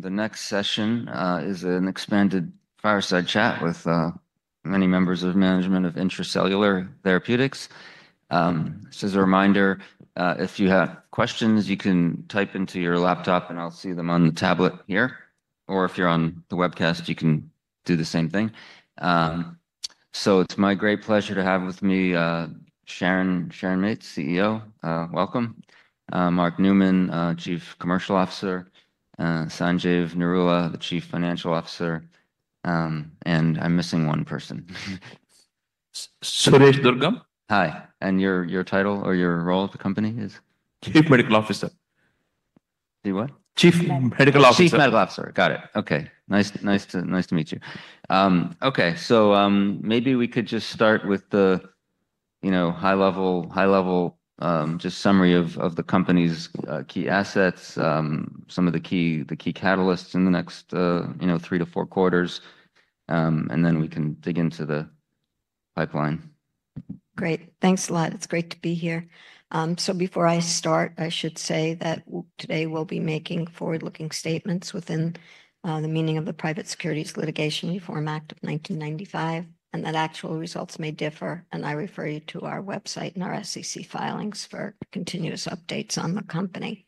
The next session is an expanded fireside chat with many members of management of Intra-Cellular Therapeutics. Just as a reminder, if you have questions, you can type into your laptop, and I'll see them on the tablet here. Or if you're on the webcast, you can do the same thing. So it's my great pleasure to have with me Sharon Mates, CEO. Welcome. Mark Neumann, Chief Commercial Officer. Sanjeev Narula, the Chief Financial Officer. And I'm missing one person. Suresh Durgam. Hi. And your title or your role at the company is? Chief Medical Officer. The what? Chief Medical Officer. Chief Medical Officer. Got it. Okay. Nice to meet you. Okay. So maybe we could just start with the high-level just summary of the company's key assets, some of the key catalysts in the next three to four quarters, and then we can dig into the pipeline. Great. Thanks a lot. It's great to be here, so before I start, I should say that today we'll be making forward-looking statements within the meaning of the Private Securities Litigation Reform Act of 1995, and that actual results may differ, and I refer you to our website and our SEC filings for continuous updates on the company,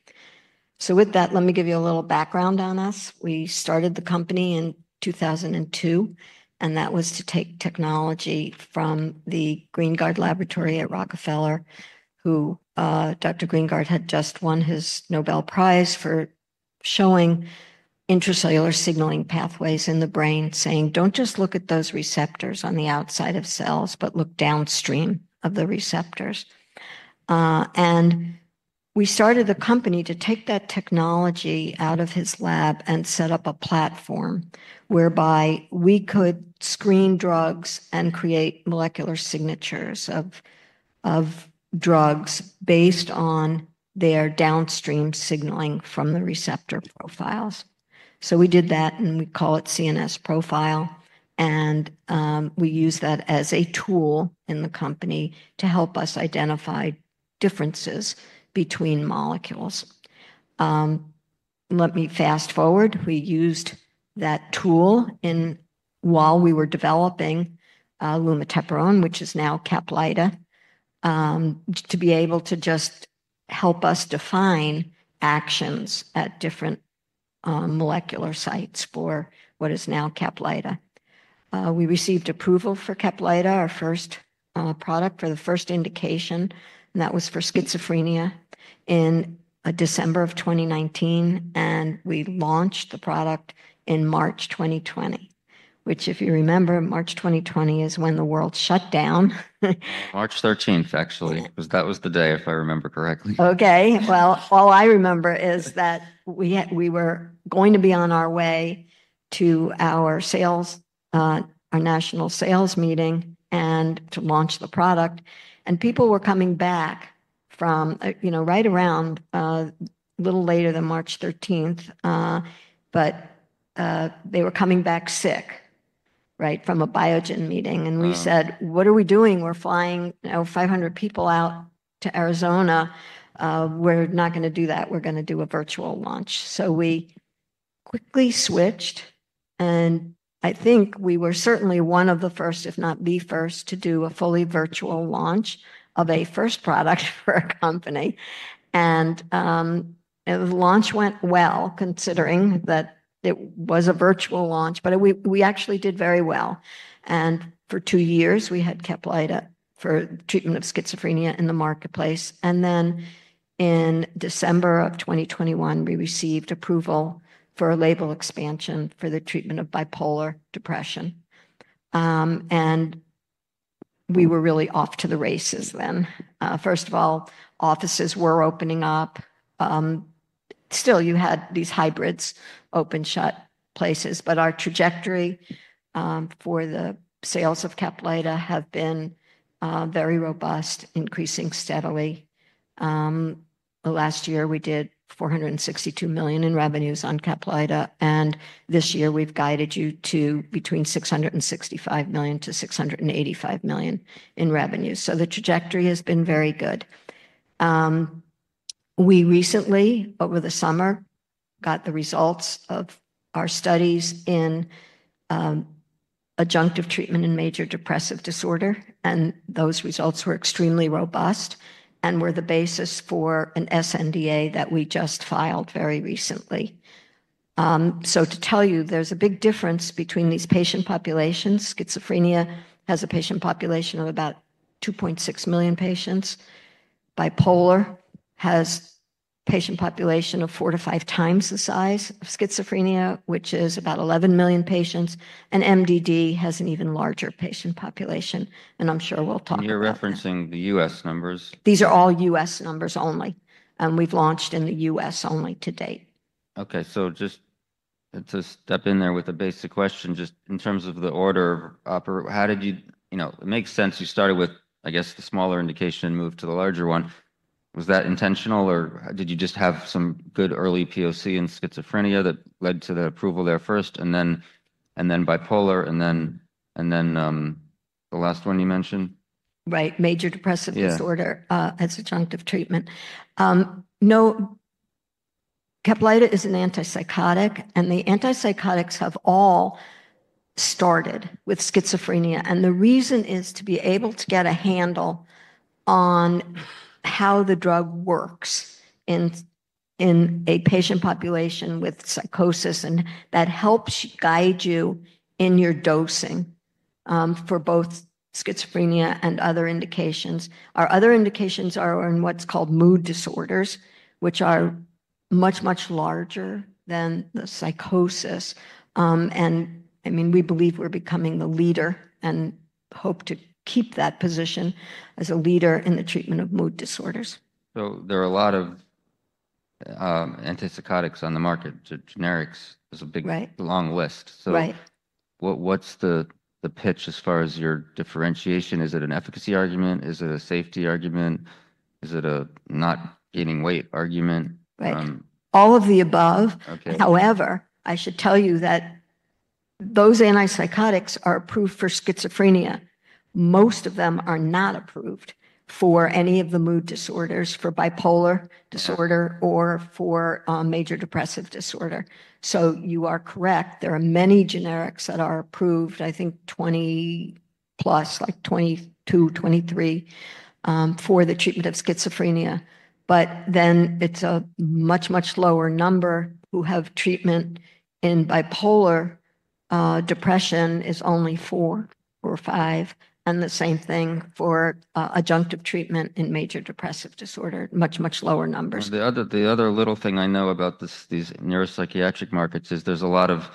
so with that, let me give you a little background on us. We started the company in 2002, and that was to take technology from the Greengard Laboratory at Rockefeller, who Dr. Greengard had just won his Nobel Prize for showing intracellular signaling pathways in the brain, saying, "Don't just look at those receptors on the outside of cells, but look downstream of the receptors." And we started the company to take that technology out of his lab and set up a platform whereby we could screen drugs and create molecular signatures of drugs based on their downstream signaling from the receptor profiles. So we did that, and we call it CNS Profile. And we use that as a tool in the company to help us identify differences between molecules. Let me fast forward. We used that tool while we were developing lumateperone, which is now Caplyta, to be able to just help us define actions at different molecular sites for what is now Caplyta. We received approval for Caplyta, our first product for the first indication. That was for schizophrenia in December of 2019. We launched the product in March 2020, which, if you remember, March 2020 is when the world shut down. March 13th, actually, because that was the day, if I remember correctly. Okay. Well, all I remember is that we were going to be on our way to our national sales meeting and to launch the product. And people were coming back from right around a little later than March 13th. But they were coming back sick from a Biogen meeting. And we said, "What are we doing? We're flying 500 people out to Arizona. We're not going to do that. We're going to do a virtual launch." So we quickly switched. And I think we were certainly one of the first, if not the first, to do a fully virtual launch of a first product for a company. And the launch went well, considering that it was a virtual launch. But we actually did very well. And for two years, we had Caplyta for treatment of schizophrenia in the marketplace. And then in December of 2021, we received approval for a label expansion for the treatment of bipolar depression. And we were really off to the races then. First of all, offices were opening up. Still, you had these hybrids, open-shut places. But our trajectory for the sales of Caplyta has been very robust, increasing steadily. Last year, we did $462 million in revenues on Caplyta. And this year, we've guided you to between $665 million-$685 million in revenues. So the trajectory has been very good. We recently, over the summer, got the results of our studies in adjunctive treatment in major depressive disorder. And those results were extremely robust and were the basis for an sNDA that we just filed very recently. So to tell you, there's a big difference between these patient populations. Schizophrenia has a patient population of about 2.6 million patients. Bipolar has a patient population of four to five times the size of schizophrenia, which is about 11 million patients, and MDD has an even larger patient population, and I'm sure we'll talk about. You're referencing the U.S. numbers. These are all U.S. numbers only, and we've launched in the U.S. only to date. Okay. So just to step in there with a basic question, just in terms of the order, how did you make sense you started with, I guess, the smaller indication and moved to the larger one? Was that intentional, or did you just have some good early POC and schizophrenia that led to the approval there first, and then bipolar, and then the last one you mentioned? Right. Major depressive disorder as adjunctive treatment. Caplyta is an antipsychotic. And the antipsychotics have all started with schizophrenia. And the reason is to be able to get a handle on how the drug works in a patient population with psychosis. And that helps guide you in your dosing for both schizophrenia and other indications. Our other indications are in what's called mood disorders, which are much, much larger than the psychosis. And I mean, we believe we're becoming the leader and hope to keep that position as a leader in the treatment of mood disorders. There are a lot of antipsychotics on the market. Generics is a big, long list. What's the pitch as far as your differentiation? Is it an efficacy argument? Is it a safety argument? Is it a not gaining weight argument? All of the above. However, I should tell you that those antipsychotics are approved for schizophrenia. Most of them are not approved for any of the mood disorders, for bipolar disorder, or for major depressive disorder. So you are correct. There are many generics that are approved, I think 20-plus, like 22, 23, for the treatment of schizophrenia. But then it's a much, much lower number who have treatment in bipolar depression is only four or five. And the same thing for adjunctive treatment in major depressive disorder. Much, much lower numbers. The other little thing I know about these neuropsychiatric markets is there's a lot of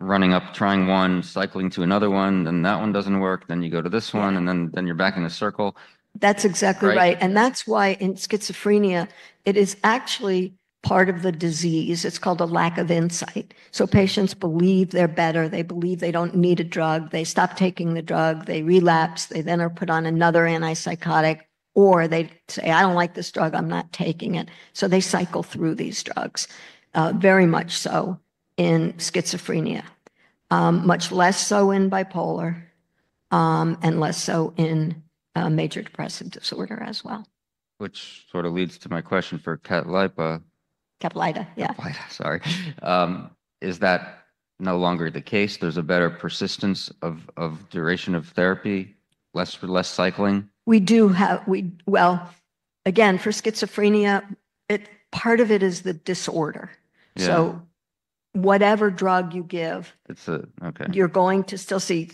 running up, trying one, cycling to another one. Then that one doesn't work. Then you go to this one and then you're back in a circle. That's exactly right. And that's why in schizophrenia, it is actually part of the disease. It's called a lack of insight. So patients believe they're better. They believe they don't need a drug. They stop taking the drug. They relapse. They then are put on another antipsychotic. Or they say, "I don't like this drug. I'm not taking it." So they cycle through these drugs, very much so in schizophrenia, much less so in bipolar, and less so in major depressive disorder as well. Which sort of leads to my question for Caplyta. Caplyta, yeah. Caplyta, sorry. Is that no longer the case? There's a better persistence of duration of therapy, less cycling? We do have, well, again, for schizophrenia, part of it is the disorder. So whatever drug you give, you're going to still see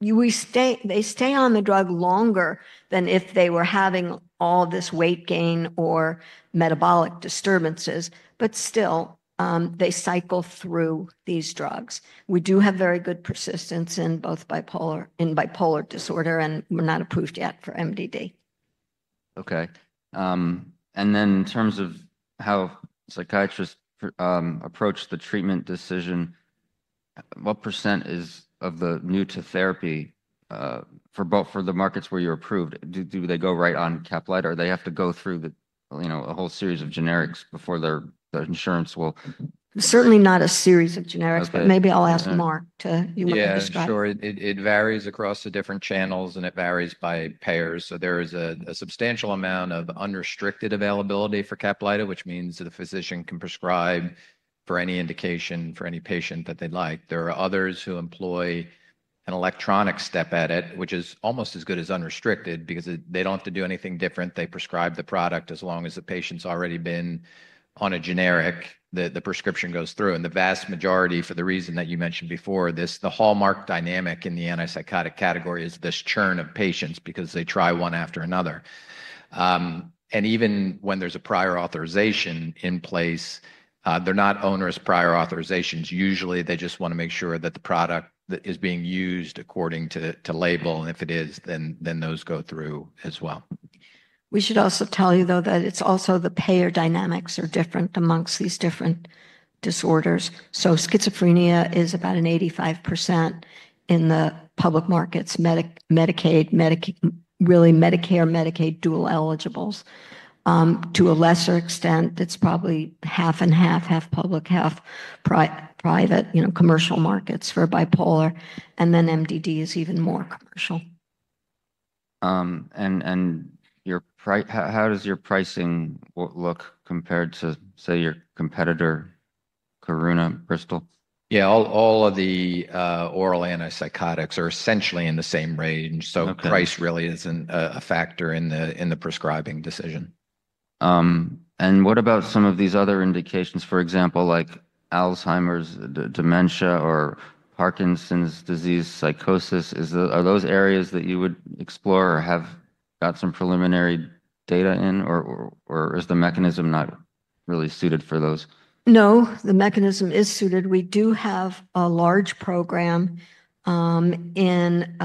they stay on the drug longer than if they were having all this weight gain or metabolic disturbances. But still, they cycle through these drugs. We do have very good persistence in bipolar disorder. And we're not approved yet for MDD. Okay. And then in terms of how psychiatrists approach the treatment decision, what % is of the new to therapy for both for the markets where you're approved? Do they go right on Caplyta, or they have to go through a whole series of generics before their insurance will? Certainly not a series of generics, but maybe I'll ask Mark to describe. Yeah, sure. It varies across the different channels, and it varies by payers, so there is a substantial amount of unrestricted availability for Caplyta, which means that a physician can prescribe for any indication for any patient that they'd like. There are others who employ an electronic step edit, which is almost as good as unrestricted because they don't have to do anything different. They prescribe the product as long as the patient's already been on a generic. The prescription goes through. And the vast majority, for the reason that you mentioned before, the hallmark dynamic in the antipsychotic category is this churn of patients because they try one after another. And even when there's a prior authorization in place, they're not onerous prior authorizations. Usually, they just want to make sure that the product is being used according to label. If it is, then those go through as well. We should also tell you, though, that it's also the payer dynamics are different amongst these different disorders. So schizophrenia is about 85% in the public markets, Medicaid, really Medicare/Medicaid dual eligibles. To a lesser extent, it's probably half and half, half public, half private, commercial markets for bipolar. And then MDD is even more commercial. How does your pricing look compared to, say, your competitor, Karuna, Bristol? Yeah. All of the oral antipsychotics are essentially in the same range. So price really isn't a factor in the prescribing decision. What about some of these other indications, for example, like Alzheimer's, dementia, or Parkinson's disease, psychosis? Are those areas that you would explore or have got some preliminary data in? Or is the mechanism not really suited for those? No. The mechanism is suited. We do have a large program in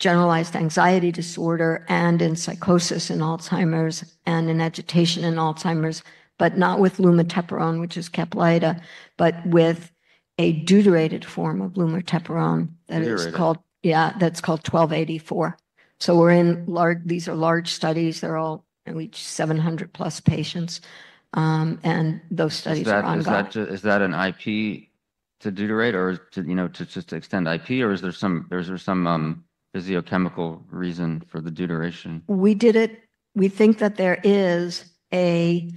generalized anxiety disorder and in psychosis and Alzheimer's and in agitation and Alzheimer's, but not with lumateperone, which is Caplyta, but with a deuterated form of lumateperone that is called, yeah, that's called 1284. So these are large studies. They're all at least 700-plus patients, and those studies are ongoing. Is that an IP to deuterate or to just extend IP? Or is there some physicochemical reason for the deuteration? We think that there is a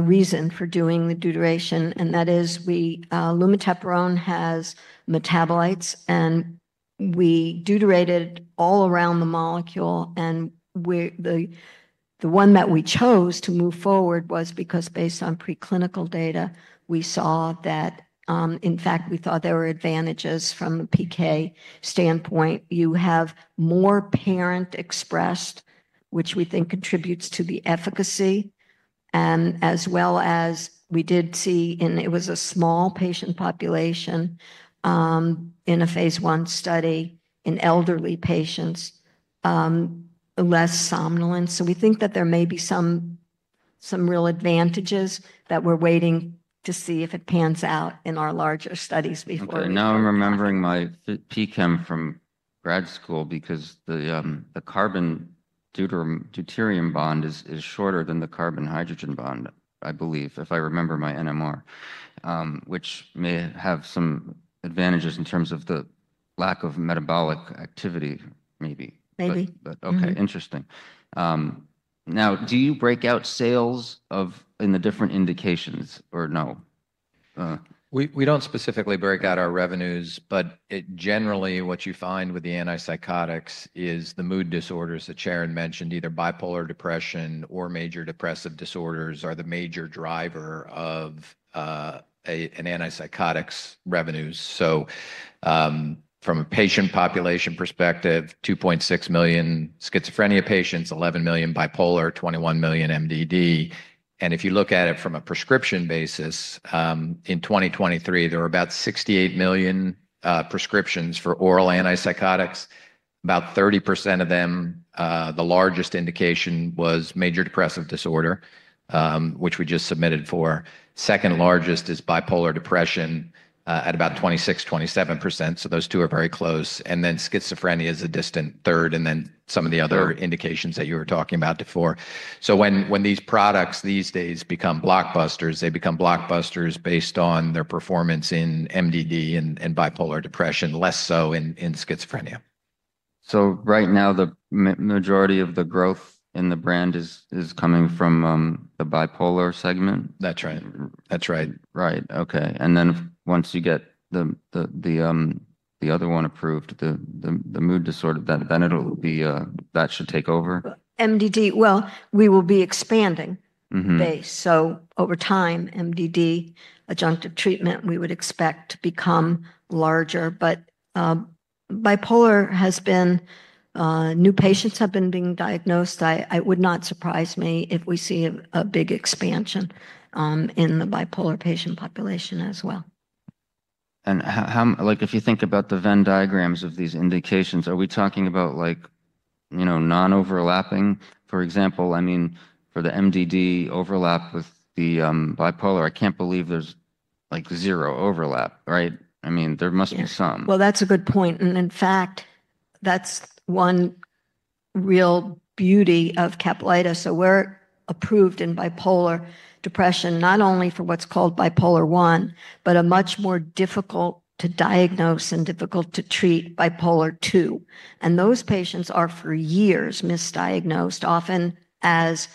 reason for doing the deuteration, and that is lumateperone has metabolites, and we deuterated all around the molecule. And the one that we chose to move forward was because, based on preclinical data, we saw that, in fact, we thought there were advantages from a PK standpoint. You have more parent expressed, which we think contributes to the efficacy, and as well as we did see in it was a small patient population in a phase I study in elderly patients, less somnolence. So we think that there may be some real advantages that we're waiting to see if it pans out in our larger studies before we go. Now I'm remembering my P-Chem from grad school because the carbon-deuterium bond is shorter than the carbon-hydrogen bond, I believe, if I remember my NMR, which may have some advantages in terms of the lack of metabolic activity, maybe. Maybe. Okay. Interesting. Now, do you break out sales in the different indications or no? We don't specifically break out our revenues. But generally, what you find with the antipsychotics is the mood disorders that Sharon mentioned, either bipolar depression or major depressive disorders, are the major driver of antipsychotics revenues. So from a patient population perspective, 2.6 million schizophrenia patients, 11 million bipolar, 21 million MDD. And if you look at it from a prescription basis, in 2023, there were about 68 million prescriptions for oral antipsychotics. About 30% of them, the largest indication was major depressive disorder, which we just submitted for. Second largest is bipolar depression at about 26%-27%. So those two are very close. And then schizophrenia is a distant third and then some of the other indications that you were talking about before. So when these products these days become blockbusters, they become blockbusters based on their performance in MDD and bipolar depression, less so in schizophrenia. Right now, the majority of the growth in the brand is coming from the bipolar segment? That's right. That's right. Right. Okay. And then once you get the other one approved, the mood disorder, then that should take over? MDD. Well, we will be expanding base. So over time, MDD adjunctive treatment, we would expect to become larger. But bipolar, new patients have been being diagnosed. It would not surprise me if we see a big expansion in the bipolar patient population as well. If you think about the Venn diagrams of these indications, are we talking about non-overlapping? For example, I mean, for the MDD overlap with the bipolar, I can't believe there's zero overlap, right? I mean, there must be some. That's a good point. In fact, that's one real beauty of Caplyta. We're approved in bipolar depression, not only for what's called bipolar I, but a much more difficult to diagnose and difficult to treat bipolar II. Those patients are for years misdiagnosed, often as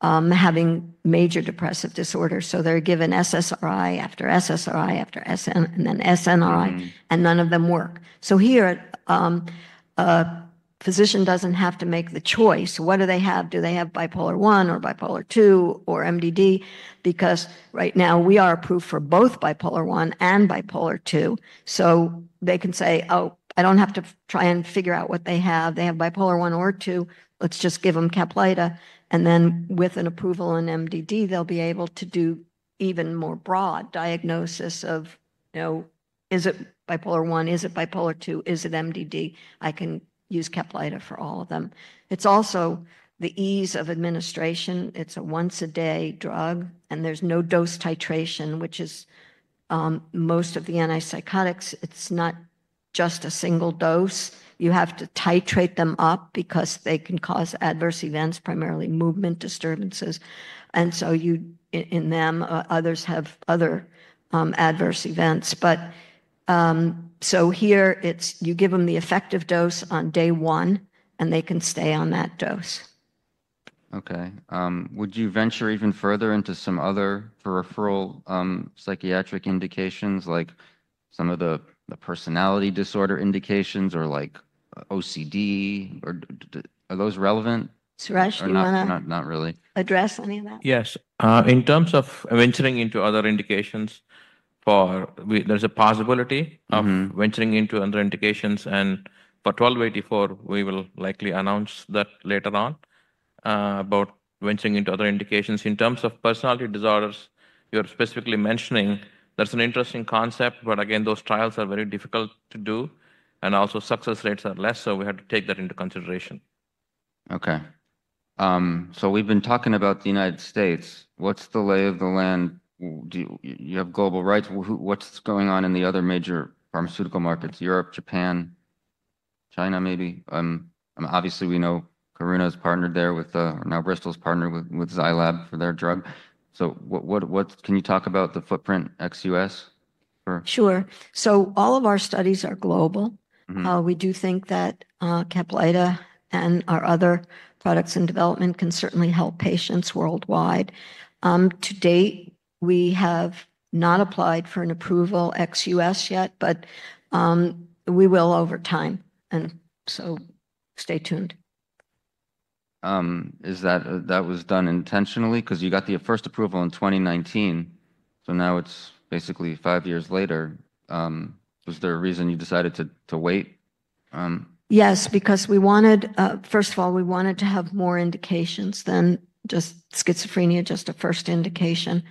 having major depressive disorder. They're given SSRI after SSRI after SNRI, and none of them work. Here, a physician doesn't have to make the choice. What do they have? Do they have bipolar I or bipolar II or MDD? Because right now, we are approved for both bipolar I and bipolar II. They can say, "Oh, I don't have to try and figure out what they have. They have bipolar I or II. Let's just give them Caplyta, and then with an approval in MDD, they'll be able to do even more broad diagnosis of, 'Is it bipolar I? Is it bipolar II? Is it MDD?' I can use Caplyta for all of them. It's also the ease of administration. It's a once-a-day drug, and there's no dose titration, which is most of the antipsychotics. It's not just a single dose. You have to titrate them up because they can cause adverse events, primarily movement disturbances, and so in them, others have other adverse events. So here, you give them the effective dose on day one, and they can stay on that dose. Okay. Would you venture even further into some other peripheral psychiatric indications, like some of the personality disorder indications or OCD? Are those relevant? Suresh, do you want to address any of that? Yes. In terms of venturing into other indications, there's a possibility of venturing into other indications. And for 1284, we will likely announce that later on about venturing into other indications. In terms of personality disorders, you're specifically mentioning there's an interesting concept. But again, those trials are very difficult to do. And also, success rates are less. So we have to take that into consideration. Okay. So we've been talking about the U.S.. What's the lay of the land? You have global rights. What's going on in the other major pharmaceutical markets, Europe, Japan, China, maybe? Obviously, we know Karuna is partnered there with, or now Bristol's partnered with Zai Lab for their drug. So can you talk about the footprint ex-US? Sure. So all of our studies are global. We do think that Caplyta and our other products in development can certainly help patients worldwide. To date, we have not applied for an approval ex-US yet, but we will over time, and so stay tuned. That was done intentionally because you got the first approval in 2019. So now it's basically five years later. Was there a reason you decided to wait? Yes, because we wanted, first of all, we wanted to have more indications than just schizophrenia, just a first indication.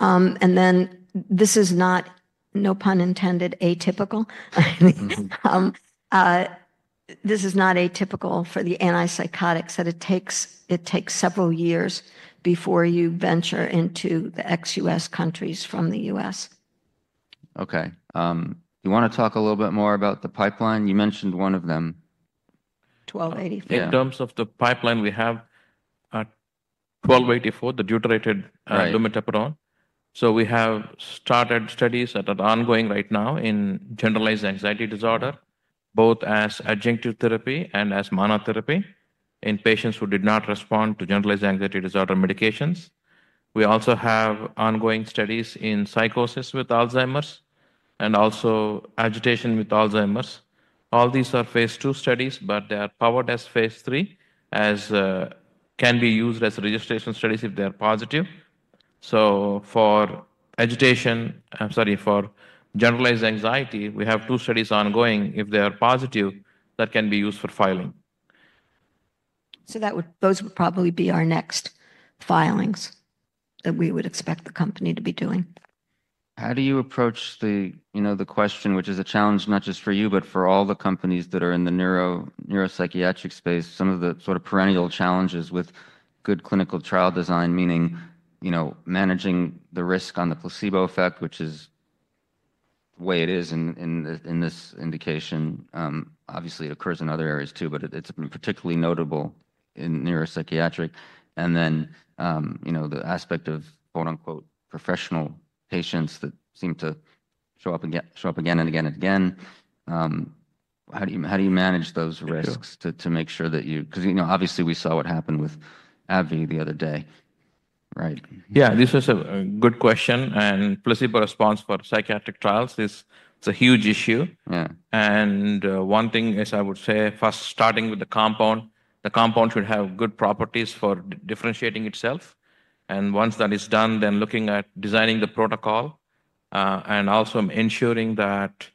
And then this is not, no pun intended, atypical. This is not atypical for the antipsychotics, that it takes several years before you venture into the ex-US countries from the US. Okay. You want to talk a little bit more about the pipeline? You mentioned one of them. 1284. In terms of the pipeline, we have 1284, the deuterated lumateperone, so we have started studies that are ongoing right now in generalized anxiety disorder, both as adjunctive therapy and as monotherapy in patients who did not respond to generalized anxiety disorder medications. We also have ongoing studies in psychosis with Alzheimer's and also agitation with Alzheimer's. All these are phase II studies, but they are powered as phase III as can be used as registration studies if they are positive, so for agitation, I'm sorry, for generalized anxiety, we have two studies ongoing. If they are positive, that can be used for filing. Those would probably be our next filings that we would expect the company to be doing. How do you approach the question, which is a challenge not just for you, but for all the companies that are in the neuropsychiatric space, some of the sort of perennial challenges with good clinical trial design, meaning managing the risk on the placebo effect, which is the way it is in this indication. Obviously, it occurs in other areas too, but it's particularly notable in neuropsychiatric. And then the aspect of "professional patients" that seem to show up again and again and again. How do you manage those risks to make sure that you because obviously, we saw what happened with AbbVie the other day, right? Yeah. This is a good question. And placebo response for psychiatric trials is a huge issue. And one thing is I would say, first, starting with the compound, the compound should have good properties for differentiating itself. And once that is done, then looking at designing the protocol and also ensuring that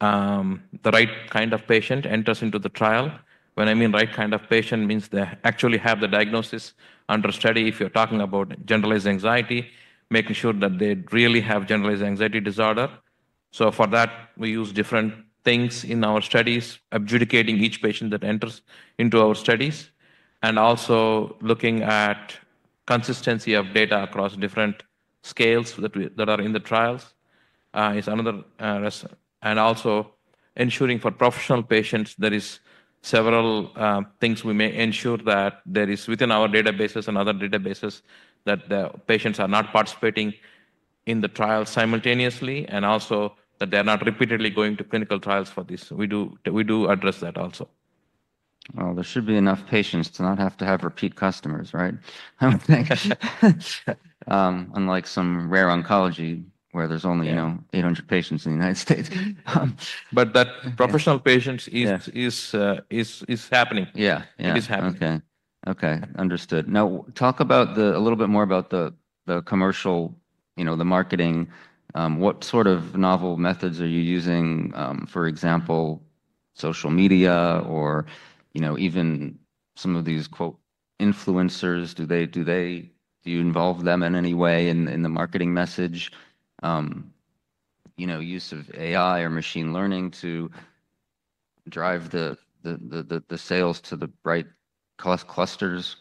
the right kind of patient enters into the trial. When I mean right kind of patient, it means they actually have the diagnosis under study if you're talking about generalized anxiety, making sure that they really have generalized anxiety disorder. So for that, we use different things in our studies, adjudicating each patient that enters into our studies, and also looking at consistency of data across different scales that are in the trials. Also ensuring for professional patients, there are several things we may ensure that there is within our databases and other databases that the patients are not participating in the trial simultaneously and also that they are not repeatedly going to clinical trials for this. We do address that also. Well, there should be enough patients to not have to have repeat customers, right? Unlike some rare oncology where there's only 800 patients in the United States. But that professional patients is happening. Yeah. It is happening. Okay. Okay. Understood. Now, talk a little bit more about the commercial, the marketing. What sort of novel methods are you using, for example, social media or even some of these "influencers"? Do you involve them in any way in the marketing message, use of AI or machine learning to drive the sales to the right clusters?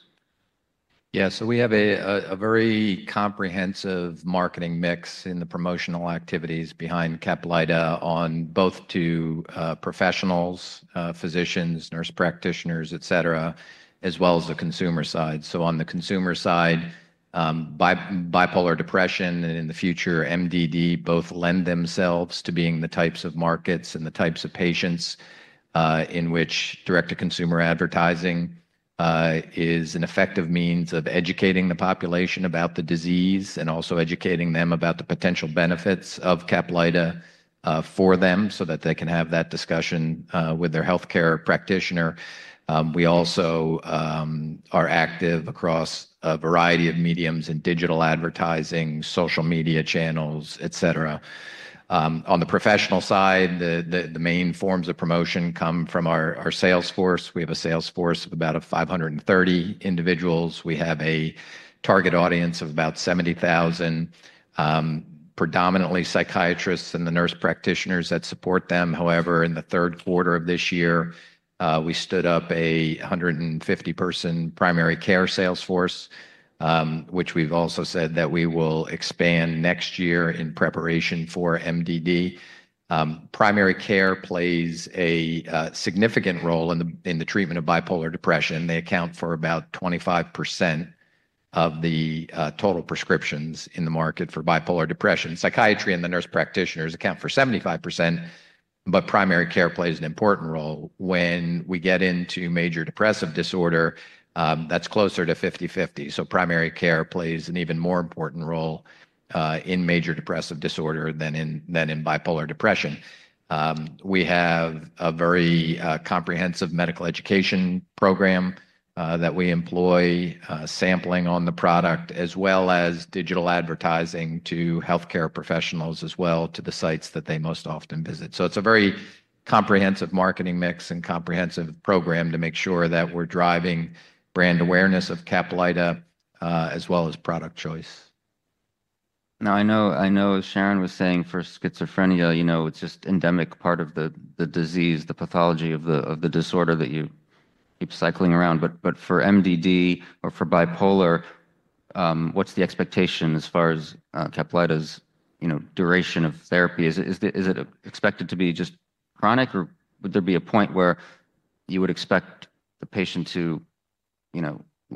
Yeah. So we have a very comprehensive marketing mix in the promotional activities behind Caplyta on both to professionals, physicians, nurse practitioners, etc., as well as the consumer side. So on the consumer side, bipolar depression and in the future, MDD both lend themselves to being the types of markets and the types of patients in which direct-to-consumer advertising is an effective means of educating the population about the disease and also educating them about the potential benefits of Caplyta for them so that they can have that discussion with their healthcare practitioner. We also are active across a variety of mediums in digital advertising, social media channels, etc. On the professional side, the main forms of promotion come from our sales force. We have a sales force of about 530 individuals. We have a target audience of about 70,000, predominantly psychiatrists and the nurse practitioners that support them. However, in the Q3 of this year, we stood up a 150-person primary care sales force, which we've also said that we will expand next year in preparation for MDD. Primary care plays a significant role in the treatment of bipolar depression. They account for about 25% of the total prescriptions in the market for bipolar depression. Psychiatry and the nurse practitioners account for 75%, but primary care plays an important role. When we get into major depressive disorder, that's closer to 50/50. So primary care plays an even more important role in major depressive disorder than in bipolar depression. We have a very comprehensive medical education program that we employ, sampling on the product, as well as digital advertising to healthcare professionals as well to the sites that they most often visit. So it's a very comprehensive marketing mix and comprehensive program to make sure that we're driving brand awareness of Caplyta as well as product choice. Now, I know Sharon was saying for schizophrenia, it's just endemic part of the disease, the pathology of the disorder that you keep cycling around. But for MDD or for bipolar, what's the expectation as far as Caplyta's duration of therapy? Is it expected to be just chronic, or would there be a point where you would expect the patient to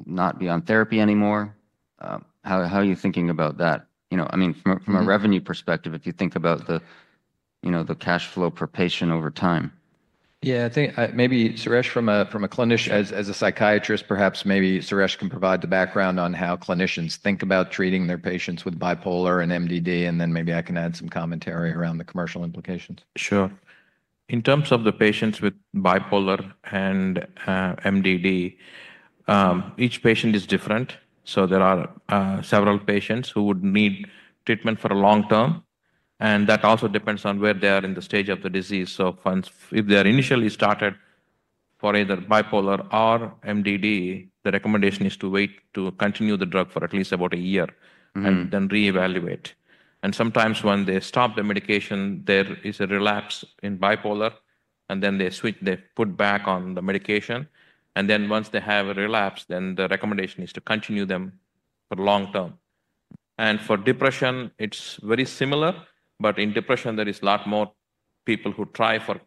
not be on therapy anymore? How are you thinking about that? I mean, from a revenue perspective, if you think about the cash flow per patient over time. Yeah. Maybe Suresh, from a clinician, as a psychiatrist, perhaps maybe Suresh can provide the background on how clinicians think about treating their patients with bipolar and MDD, and then maybe I can add some commentary around the commercial implications. Sure. In terms of the patients with bipolar and MDD, each patient is different. So there are several patients who would need treatment for a long term. And that also depends on where they are in the stage of the disease. So if they are initially started for either bipolar or MDD, the recommendation is to wait to continue the drug for at least about a year and then reevaluate. And sometimes when they stop the medication, there is a relapse in bipolar, and then they put back on the medication. And then once they have a relapse, then the recommendation is to continue them for a long term. And for depression, it's very similar. But in depression, there are a lot more people who try for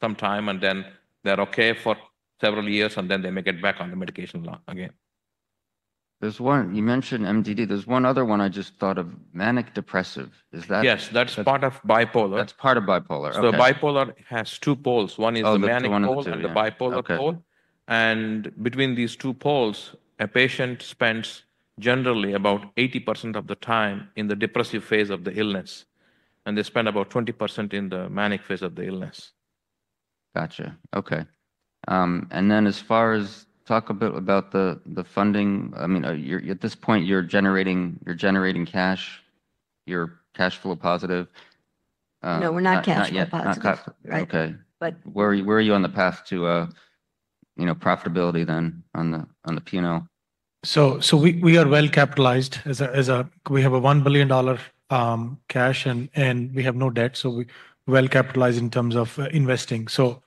some time, and then they're okay for several years, and then they may get back on the medication again. You mentioned MDD. There's one other one I just thought of, manic-depressive. Is that? Yes. That's part of bipolar. That's part of bipolar. Okay. Bipolar has two poles. One is the manic pole and the depressive pole. Between these two poles, a patient spends generally about 80% of the time in the depressive phase of the illness, and they spend about 20% in the manic phase of the illness. Gotcha. Okay. And then, as far as talk a bit about the funding. I mean, at this point, you're generating cash. You're cash flow positive. No, we're not cash flow positive. Okay. Where are you on the path to profitability then on the P&L? So we are well capitalized. We have a $1 billion cash, and we have no debt. So we're well capitalized in terms of investing. So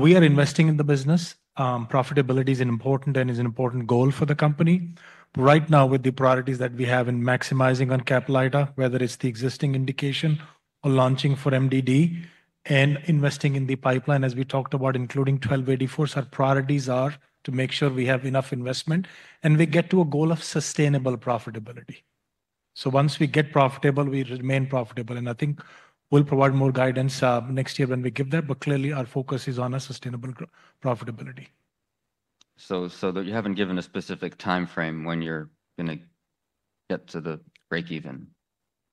we are investing in the business. Profitability is important and is an important goal for the company. Right now, with the priorities that we have in maximizing on Caplyta, whether it's the existing indication or launching for MDD and investing in the pipeline, as we talked about, including 1284, our priorities are to make sure we have enough investment, and we get to a goal of sustainable profitability. So once we get profitable, we remain profitable. And I think we'll provide more guidance next year when we give that. But clearly, our focus is on sustainable profitability. You haven't given a specific time frame when you're going to get to the break-even?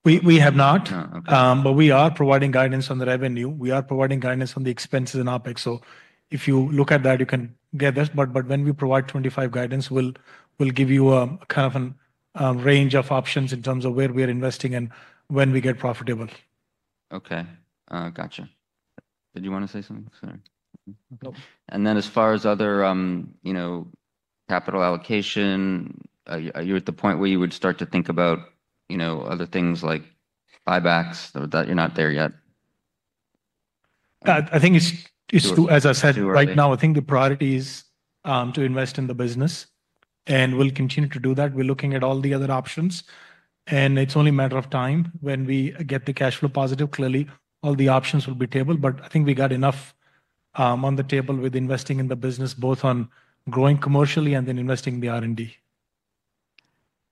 We have not. But we are providing guidance on the revenue. We are providing guidance on the expenses and OpEx. So if you look at that, you can get this. But when we provide 2025 guidance, we'll give you a kind of a range of options in terms of where we are investing and when we get profitable. Okay. Gotcha. Did you want to say something? Sorry. And then as far as other capital allocation, are you at the point where you would start to think about other things like buybacks? You're not there yet. I think it's, as I said, right now, I think the priority is to invest in the business, and we'll continue to do that. We're looking at all the other options. And it's only a matter of time when we get the cash flow positive. Clearly, all the options will be tabled. But I think we got enough on the table with investing in the business, both on growing commercially and then investing in the R&D.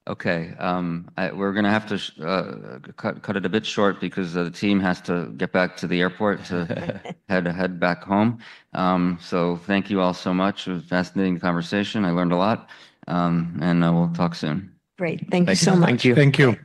Okay. We're going to have to cut it a bit short because the team has to get back to the airport to head back home. So thank you all so much. It was a fascinating conversation. I learned a lot, and we'll talk soon. Great. Thank you so much. Thank you.